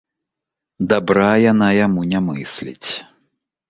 Дабра яна яму не мысліць.